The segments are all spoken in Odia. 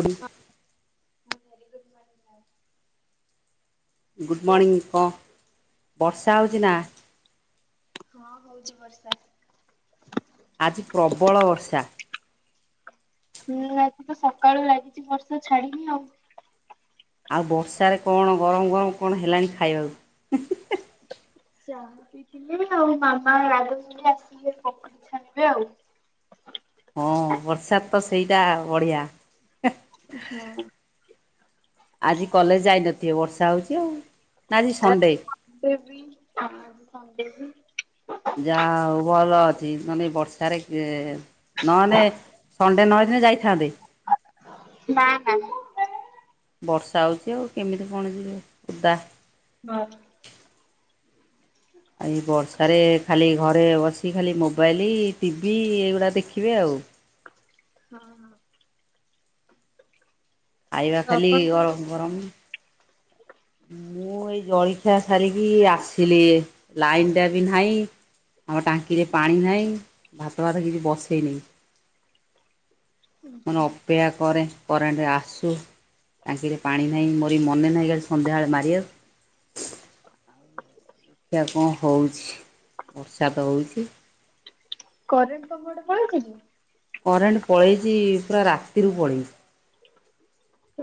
ଗୁଡ ହଁ ହଁ very good morning ma'am. Good morning କହ କଣ ବର୍ଷା ହେଉଛି ନା? ହଁ ହଉଛି ବର୍ଷା। ଆଜି ପ୍ରବଳ ବର୍ଷା। ହୁଁ ଆଜି ତ ସକାଳୁ ଲାଗିଛି ବର୍ଷା ଛାଡିନି ଆଉ। ଆଉ ବର୍ଷାରେ କଣ ଗରମ ଗରମ କଣ ହେଲାଣି ଖାଇବାକୁ? ଚାହା ପିଇଥିଲି ଆଉ ମାମା ଗାଧୋଉଛନ୍ତି ଆସିଲେ ପକଡ଼ି ଛାଣିବେ ଆଉ। ହଁ ବର୍ଷାରେ ତ ସେଇଟା ବଢ଼ିଆ। ହଁ। ଆଜି କଲେଜ ଯାଇନଥିବେ ବର୍ଷା ହଉଛି ଆଉ ନା ଆଜି ସଣ୍ଡେ। ଡେବି ଆଉ ଆଜି ସଣ୍ଡେ ବି। ଯାହା ହଉ ଭଲ ଅଛି ନନେ ଏଇ ବର୍ଷାରେ ନହେନେ ସଣ୍ଡେ ନ ହେଇଥିଲେ ଯାଇଥାନ୍ତେ? ନା ନା। ବର୍ଷା ହଉଛି ଆଉ କେମିତି କଣ ଯିବେ ଓଦା [unintelligible] ଆଉ ଏଇ ବର୍ଷାରେ ଖାଲି ଘରେ ବସି ଖାଲି ମୋବାଇଲି ଟିଭି ଏଇଗୁଡ଼ା ଦେଖିବେ ଆଉ। ହଁ ହଁ। ଖାଇବା ଖାଲି ଆପଣ କଣ ଗରମ ଗରମ ମୁଁ ଏଇ ଜଳଖିଆ ସାରିକି ଆସିଲି ଲାଇନ ଟା ବି ନାହିଁ। ଆମ ଟାଙ୍କିରେ ପାଣି ନାହିଁ ଭାତ ଭାତ କିଛି ବସେଇନି। କଣ କରୁ ଅପେକ୍ଷା କରେ। କରେଣ୍ଟ ଆସୁ ଟାଙ୍କିରେ ପାଣି ନାହିଁ ମୋର ବି ମନେ ନାହିଁ କାଲି ସନ୍ଧ୍ୟାବେଳେ ମାରିବାକୁ। ଦେଖିବା କଣ ହେଉଛି ବର୍ଷା ତ ହଉଛି। କରେଣ୍ଟ ତମ ଆଡେ ପଳେଇଛି କି? କରେଣ୍ଟ ପଳେଇଛି ପୁରା ରାତିରୁ ପଳେଇଛି।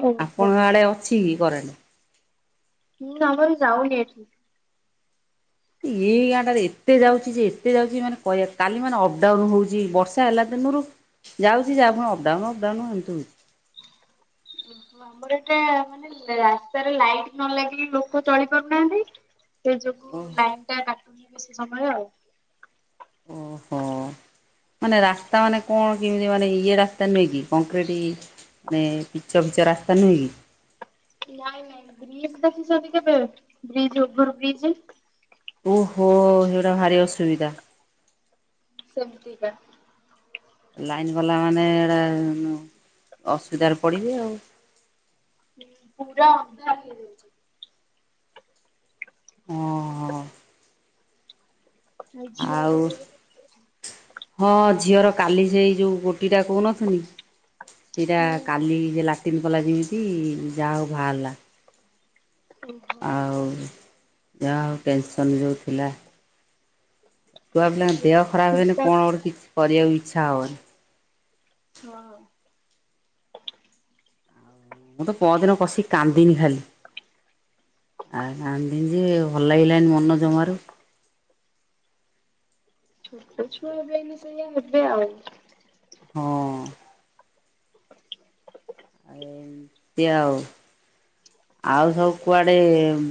ଓହୋ। ଆପଣଙ୍କ ଆଡ଼େ ଅଛି କି କରେଣ୍ଟ? ହୁଁ ଆମର ବି ଯାଉନି ଏଠି। ଏଇ ଗାଁ ଟାରେ ଏତେ ଯାଉଛି ଯେ ଏତେ ଯାଉଛି ମାନେ କହିବା କାଲି ମାନେ ଅପଡାଉନ ହଉଛି ବର୍ଷା ହେଲା ଦିନରୁ ଯାଉଛି ଯାହା ଫୁଣି ଅପଡାଉନ ଅପଡାଉନ ଏମିତି ହଉଛି। ଓହୋ ଆମର ଏଟା ମାନେ ରାସ୍ତାରେ ଲାଇଟ ନ ଲାଗିଲେ ଲୋକ ଚଳି ପାରୁନାହାନ୍ତି ସେଇ ଯୋଗୁ ଓହ ଲାଇନ ଟା କାଟୁନି ବେସି ସମୟ ଆଉ। ଓହୋ। ମାନେ ରାସ୍ତା ମାନେ କଣ କେମିତି ମାନେ ଇଏ ରାସ୍ତା ନୁହେଁ କି କଂକ୍ରିଟି ମାନେ ପିଚ ଫିଚ ରାସ୍ତା ନୁହେଁ କି? ନାଇଁ ନାଇଁ ବ୍ରିଜ ଦେଖିଛନ୍ତି କେବେ ବ୍ରିଜ ଓଭରବ୍ରିଜ। ଓହୋ ସେଇ ଗୁଡା ଭାରି ଅସୁବିଧା। ସେମତି କା। ଲାଇନ ଗଲା ମାନେ ଏଟା ଅସୁବିଧାରେ ପଡିବେ ଆଉ। ହୁଁ ପୁରା ଅନ୍ଧାର ହେଇଯାଉଛି। ହଁ ଆଉ ଝିଅ ଆଉ ଦେହରେ ହଁ ଝିଅର କାଲି ସେଇ ଯୋଉ ଗୋଟି ଟା କହୁନ ଥିଲି ସେଇଟା ଓହୋ କାଲି ଲାଟିନ୍ କଲା ଯେମିତି ଯାହା ହଉ ବାହାରିଲା। ଓହ [unintelligible] ଆଉ ଯାହା ହେଉ ଟେନ୍ସନ୍ ଯୋଉଥିଲା ଛୁଆ ପିଲାଙ୍କ ଦେହ ଖରାପ ହେଲେ ଚିନ୍ତା କଣ ଗୋଟେ କିଛି କରିବାକୁ ଇଚ୍ଛା ହବନି। ହଁ। ମୁଁ ତ ପରଦିନ ବସିକି କାନ୍ଦିନି ଖାଲି। ଆଉ କାନ୍ଦିନି ଯେ ଭଲ ଲାଗିଲାଣି ମନ ଜମାରୁ ଛୋଟ ଛୁଆ ହେବେନି ସେଇଆ ହେବେ ଆଉ ହଁ ଆ ସେଆଉ ଆଉ ସବୁ କୁଆଡ଼େ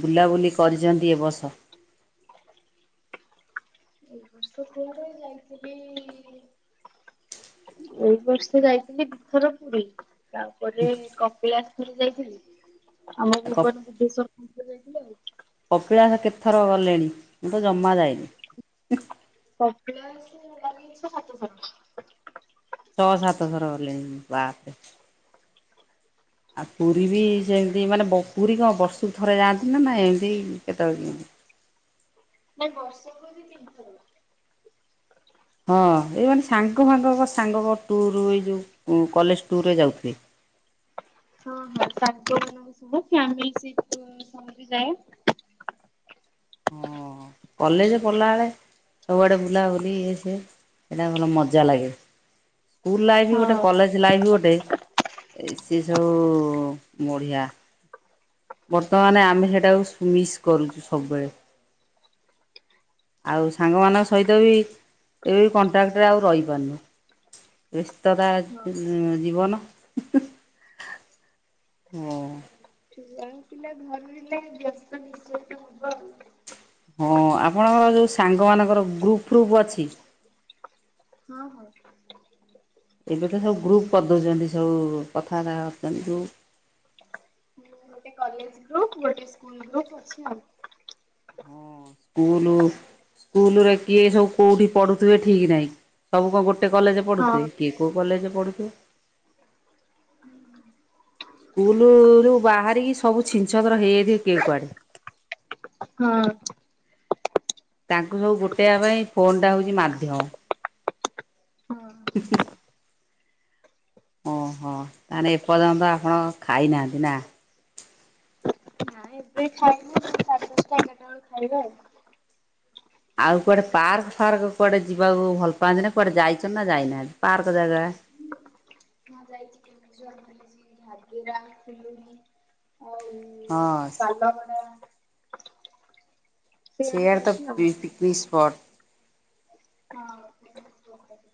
ବୁଲାବୁଲି କରିଛନ୍ତି ଏ ବର୍ଷ? ଏ ବର୍ଷରେ ଯାଇଥିଲି ଏଇ ବର୍ଷ ଯାଇଥିଲି ଦି ଥର ପୁରୀ ତାପରେ କପିଳାଶର ଯାଇଥିଲି ଆମ ଭୁବନ ବୁଦ୍ଧେଶ୍ଵର ମନ୍ଦିର ଯାଇଥିଲି ଆଉ କପିଳାସ କେତେଥର ଗଲେଣି ମୁଁ ତ ଜମା ଯାଇନି। ଖ [inaudible] ଛଅ ସାତଥର ଗଲେଣି ବାପରେ [inaudible] ଆଉ ପୁରୀ ବି ସେମିତି ମାନେ ପୁରୀ କଣ ବର୍ଷକୁ ଥରେ ଯାଆନ୍ତି ନା ନା ଏମିତି କେତେବେଳେ କେମିତି? ନାଇଁ ବର୍ଷକୁ ଦି ତିନିଥର ହୁଏ ହଁ ଏଇ ମାନେ ସାଙ୍ଗ ସାଙ୍ଗଙ୍କ ସାଙ୍ଗ ଟୁୁର ଏଇ ଯୋଉ କଲେଜ ଟୁୁର ରେ ଯାଉଥିବେ। ହଁ ହଁ ତାଙ୍କ ସହ କି ଫ୍ୟାମିଲୀ ଟ୍ରିପ ଆମେ ସମସ୍ତେ ଯାଏ ଓ କଲେଜ ପଡ୍ଲା ବେଳେ ସବୁଆଡେ ବୁଲାବୁଲି ଇଏ ସିଏ ସେଇଟା ଭଲ ମଜା ଲାଗେ। ସ୍କୁଲ ଲାଇଫ୍ ଗୋଟେ ହଁ। କଲେଜ ଲାଇଫ୍ ଗୋଟେ ଏ ସେ ସବୁ ମୁଢ଼ିଆ। ବର୍ତ୍ତମାନ ଆମେ ସେଇଟାକୁ ସୁ ମିସ୍ କରୁଚୁ ସବୁବେଳେ। ଆଉ ସାଙ୍ଗମାନଙ୍କ ସହିତ ବି ଏବେ କଣ୍ଟ୍ରାକ୍ଟରେ ଆଉ ରହିପାରୁନି ବ୍ୟସ୍ତତା ହଁ ହୁଁ ଜୀବନ ହ। ଯେଉଁ ପିଲା ଘର ହେଲା ବ୍ୟସ୍ତ ବିଶେସ ହବ ଆଉ। ହଁ ଆପଣଙ୍କର ଯେଉଁ ସାଙ୍ଗମାନଙ୍କର ଗ୍ରୁପ୍ ଫ୍ରୁପ୍ ଅଛି। ହଁ ହଁ। ଏବେ ତ ସବୁ ଗ୍ରୁପ କରିଦଉଚନ୍ତି ସବୁ କଥାବାର୍ତା ହଉଚନ୍ତି ଗ୍ରୁପ ଗୋଟେ କଲେଜ ଗ୍ରୁପ ଗୋଟେ ସ୍କୁଲ ଗ୍ରୁପ ଅଛି ଆଉ। କୁଲୁ ସ୍କୁଲୁରେ କିଏ ସବୁ କୋଉଠି ପଢୁଥିବେ ଠିକ ନାହିଁ ସବୁ କଣ ଗୋଟେ ଗୋଟେ କଲେଜ ପଢ଼ୁଥିବ ହଁ କିଏ କୋଉଁ କଲେଜରେ ପଢ଼ଥିବ? [inaudible] ସ୍କୁଲରୁୁ ବାହାରିକି ସବୁ ଛିଁ ଛଁତର ହେଇଯାଇଥିବେ କେଏ କୁଆଡେ? ହଁ। ତାଙ୍କୁ ସବୁ ଗୋଟେଇବା ପାଇଁ ଫୋନ୍ ଟା ହୋଉଛି ମାଧ୍ୟମ। ହଁ। [inaudible] ଓହୋ ତାହେଲେ ଏପର୍ଯ୍ୟନ୍ତ ଆପଣ ଖାଇନାହାନ୍ତି ନା? ନାଇଁ ଏବେ ଖାଇନୁ ସାର୍ ଦଶଟା ଏଗାରଟା ବେଳକୁ ଖାଇବା ଆଉ। ଆଉ କୁଆଡେ ପାର୍କ ଫାର୍କ କୁଆଡେ ଯିବାକୁ ଭଲ ପାଆନ୍ତି ନା କୁଆଡେ ଯାଇଚନି ନା ଯାଇନାହାନ୍ତି ପାର୍କ ଜାଗା। ହଁ ଯାଇଛି [unintelligible] ଭାଗି ଯାଇ ଥିଲୁଆଉ ହଁ ପାଲଭଡା ସେୟର ଦ ଯାଇଛି ଆଉ। Picnic spot. ହଁ।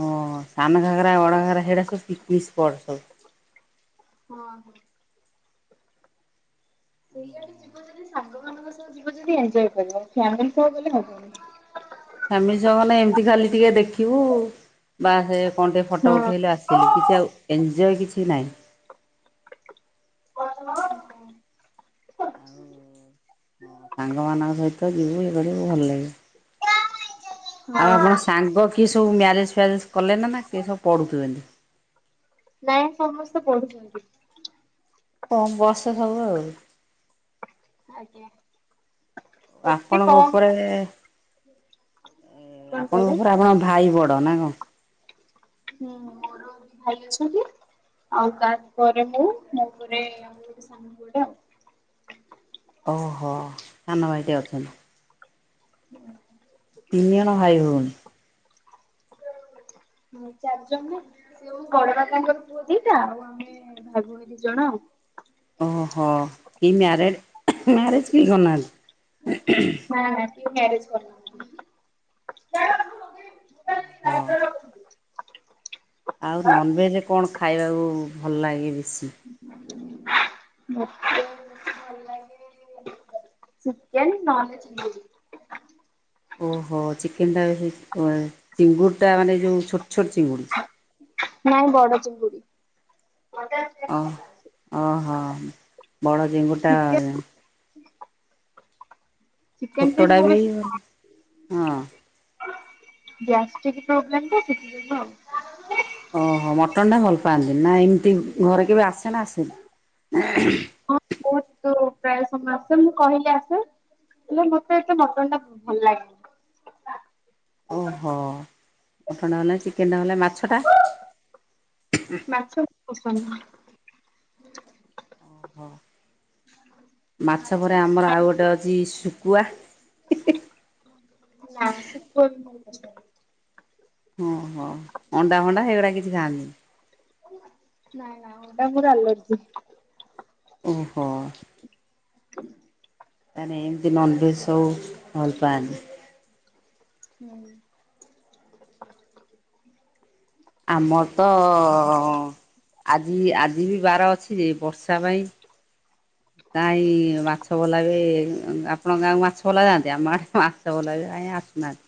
ହ ସାନ ଘାଗରା ବଡଘାଗରା ସେଇଟା ସବୁ ପିକନିକ ସ୍ପଟ ସବୁ। ହଁ ହଁ। ସେଇଆଡେ ଯିବନି ଜିବନି ସାଙ୍ଗମାନଙ୍କ ସହ ଯିବ ଯଦି ଏଞ୍ଜୟ୍ କରିବା ଫେମିଲି ସହ ଗଲେ ହବନି। ଫ୍ୟାମିଲି ସହ ଗଲେ ଏମିତି ଖାଲି ଟିକେ ଦେଖିବୁ ବା ସେ କଣ ଟିକେ ଫଟୋ ହଁ। ଉଠେଇଲେ ଆସି ଲୁ କିଛି ଆଉ ଏନ୍ଜିଓ କିଛି ନାହିଁ। [unintelligible] ସାଙ୍ଗମାନଙ୍କ ସହିତ ଯିବୁ ଇଏକରିବୁ ଭଲ ଲାଗିବ। ଆଉ ଆପଣ ସାଙ୍ଗ କିଏ ସବୁ ମ୍ୟାରେଜ ଫ୍ୟାରେଜ କଲେ ନା ନା କିଏ ସବୁ ପଢ଼ୁଥିବେ। ନାଇଁ ସମସ୍ତେ ପଢୁଛନ୍ତି। କମ୍ ବର୍ଷ ସବୁ ଆଉ। ଆଜ୍ଞା। ଏତେ ଆପଣଙ୍କ କମ ଉପରେ ରେ କଣ କହିଲେ? ଆପଣଙ୍କ ଉପରେ ଆଉଜଣେ ଭାଇ ବଡ଼ ନା କଣ? ହୁଁ ମୋର ଭାଇ ଅଛନ୍ତି ଆଉ ତାପରେ ମୁଁ ମୋ ପରେ ସାନ ପୁଅ ଟେଆଉ। ଓହୋ ସାନ ଭାଇଟେ ଅଛନ୍ତି। [inaudible] ତିନି ଜଣ ଭାଇ ଭଉଣୀ। ହ ଚାରି ଜଣ ସେଉ ବଡ ବାପାଙ୍କର ପୁଅ ଦିଟା ଆଉ ଆମେ ଭାଇ ଭଉଣୀ ଦି ଜଣ ଆଉ। ଓହୋ କି ମ୍ୟାରେଜ ମ୍ୟାରେଜ କିଏ କରିନାହାନ୍ତି? ନା ନା କିଏ ମ୍ୟାରେଜ୍ କରିନାହାନ୍ତି। ମତେ ଭଲ ହଁ। ଲାଗେ ଆଉ ନନଭେଜରେ କଣ ଖାଇବାକୁ ଭଲ ଲାଗେ ବେଶୀ? ମତେ ଭଲ ଲାଗେ। ଚିକେନ୍ ନହେଲେ ଚିଙ୍ଗୁଡି। ଓହୋ ଚିକେନଟା ଚିଙ୍ଗୁଡ଼ଟା ମାନେ ଯେଉଁ ଛୋଟ ଛୋଟ ଚିଙ୍ଗୁଡ଼ି। ନାଇଁ ବଡ ଚିଙ୍ଗୁଡି। ଅ ଓହୋ ବଡ଼ ଜିଙ୍ଗୁଟା ଚିକେନ ଚିକନ ଫିକେନ ଛୋଟଟା ମୁଁ ବି ବେଶୀ ହଁ ଖାଉନି। ଗ୍ୟାସ ଟିକ ପ୍ରୋବ୍ଲେମ ତ ସେଠି ଯୋଗୁଁ ଆଉ। ଓହୋ ମଟନ ଟା ଭଲ ପାଆନ୍ତି ନା ଏମିତି ଘରେ କେବେ ଆସେନା ଆସେନି? ହଁ ବହୁତ ପ୍ରାୟ ସମୟ ଆସେ ମୁଁ କହିଲି ଆସେ। ହେଲେ ମତେ ଏତେ ମଟନଟା ଭଲ ଲାଗେନି। ଓହୋ ମଟନଟା ହେଲେ ଚିକେନଟା ନ ହେଲେ ମାଛଟା। ମାଛ ପସନ୍ଦ। [unintelligible] ମାଛ ପରେ ଆମର ଆଉ ଗୋଟେ ଅଛି ଶୁଖୁଆ। ନା ଶୁଖୁଆ ବି ମୋର ପସନ୍ଦ ନାହିଁ। ଓହୋ ଅଣ୍ଡା ଭଣ୍ଡା ଏଇଗୁଡା କିଛି ଖାଆନ୍ତିିନି। ନାଇଁ ନା ଅଣ୍ଡା ମୋର ଆଲର୍ଜି। ଓହୋ। [unintelligible] ତାହେଲେ ଏମିତି ନନଭେଜ ସବୁ ଭଲ ପାଅନ୍ତି। ହୁଁ। ଆମର ତ ଆଜି ଆଜି ବି ବାର ଅଛି ଯେ ବର୍ଷା ପାଇଁ ହ [unintelligible] କାହିଁ ମାଛ ବାଲାବେ ଆପଣଙ୍କ ଗାଁକୁ ମାଛ ବାଲା ନାହାନ୍ତି ଆମ ଆଡ଼େ ମାଛ ବାଲା ବି କାଇ ଆସୁନାହାଁନ୍ତି।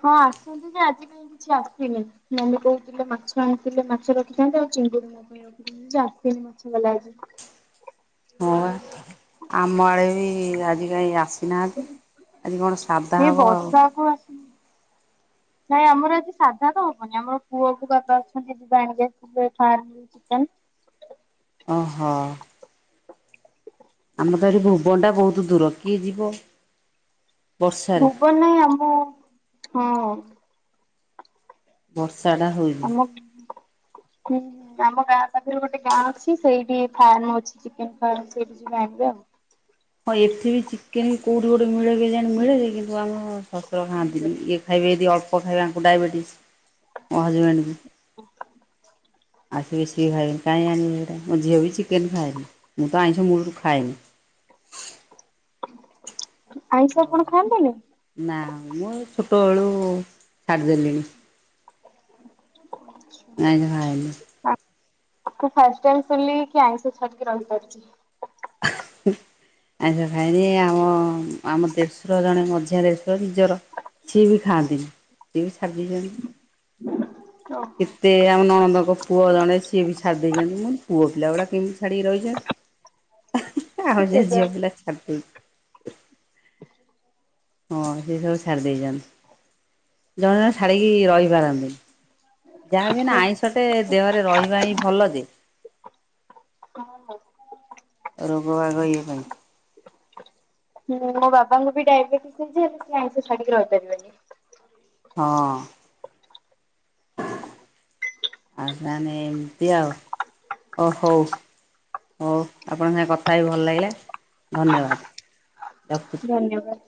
ହଁ ଆସୁଛନ୍ତିୁ ଯେ ଆଜିକାଲି କାଇଁ କିଛି ଆସିନି ମମି କହୁଥିଲେ ମାଛ ଆଣିଥିଲେ ମାଛ ରଖିଥାନ୍ତି ଆଉ ଚିଙ୍ଗୁଡ଼ି ଆସିନି ମାଛ ବାଲା ଆଜି। ହଁ ବା ଆମ ଆଡେ ବି ଆଜି କାଇଁ ଆସ ନାହାନ୍ତି ଆଜି କଣ ସାଧା ହବ ଆଉ? ଆଗ ଆସ [unintelligible] ନାଇଁ ଆମର ଆଜି ସାଧା ତ ହବନି ଆମର ପୁଅକୁ ବାବା ଅଛନ୍ତି ଯିବା ଆଣିକି ଆସିବେ ଫିଲ ଚିକେନ୍। ଓହଁ। ଆମର ତ ଏ ଭୁବନ ଟା ବହୁତ ଦୂର କିଏ ଯିବ? ବର୍ଷାରେ ଭୁବନ ନାହିଁ ଆମ ହଁ। ବର୍ଷା ଟା ହଉଛି। ଆମ [unintelligible] ଆମ ଗାଁ ପାଖରେ ଗୋଟେ ଗାଁ ଅଛି ସେଇଠି ଫାର୍ମ ଅଛି ଚିକେନ ଫାର୍ମ ସେଇଠି ଯ ଆଣିବେ ଆଉ। ହୋଇଥି। ଚିକେନ୍ ବି କୋଉଠୁ ଗୋଠେ ମିଳେ ବିରିଆଣି ମିଳେ କିନ୍ତୁ ଆମର ଶଶୁର ଖାଆନ୍ତିନି ଇଏ ଖାଇବେ ଯଦି ଅ କ ଖାଇବେ ୟାଙ୍କୁ ଡାଇବେଟିସ୍ ମୋ ହଜବେଣ୍ଡଙ୍କୁ। [inaudible] ଆଜି ବେଶି ଖାଇବେନି କାଇଁ ଆଣିବେ ଗୋଟେ ମୋ ଝିଅ ବି ଚିକେନ ଖାଏନି। ମୁଁ ତ ଆଇଁସ ମୂଳୁରୁ ଖାଏନି। ଆଇଁସ ଆଉ ଆପଣ ଖାଆନ୍ତିନି? ନା ମୁଁ ଛୋଟ ଓଳୁ ଛାଡିଦେଲିଣି। [inaudible] ନାଇନି ଭାରିନି। ମୁଁ ଫାଷ୍ଟ ଟାଇମ ଶୁଣିଲି କିଏ ଆଇଁଷ ଛାଡିକି ରହିପାରୁଚି। [inaudible] ଆଇଁଷ ଖାଏନି ଆମ ଆମ ଦେଢ଼ଶୁର ଜଣେ ମଝିଆ ଦେଢଶୁର ନିଜର। ସିଏ ବି ଖାଆନ୍ତିିନି ସେ ବି ଓହୋ ଛାଡ଼ିଦେଇଚନ୍ତି [inaudible] ସେ ଆମ ନଣନ୍ଦଙ୍କ ପୁଅ ଜଣେ ସିଏ ବି ଛାଡ଼ି ଦେଇଚନ୍ତି ଉଁ ପୁଅ ପିଲା ଗୁଡ଼ା କେମିତି ଛାଡ଼ିକି ରହିଚନ୍ତି। ଆଉ ଯେ ଝିଅ କେଜାଣି। ପିଲା ଛାଡିଦଉ [inaudible] ହଁ ସେ ସବୁ ଛାଡ଼ି ଦେଇଚନ୍ତି ଜଣେ ଛାଡ଼ିକି ରହିପାରନ୍ତି ନି। ଯାହା ବି ନା ଆଇଁଷଟେ ଦେହରେ ରହିବା ହିଁ ଭଲଯେ। ହଁ ହଁ। ରୋଗ ବାଗ ଇଏ ପାଇଁ। ହୁଁ ମୋ ବାବାଙ୍କୁ ବି ଡାଇବେଟିସ୍ ହେଇଚି ସିଏ ଆଇଁଷ ଛାଡିକି ରହିପାରିବେନି। ହଁ। [inaudible] ଆଉ ତାହେନେ ଏମିତି ଆଉ ଅ ହଉ। ହଉ ଆପଣଙ୍କ ସାଙ୍ଗେ କଥା ବି ଭଲ ଲାଗିଲା ଧନ୍ୟବାଦ ରକ ଧନ୍ୟବାଦ।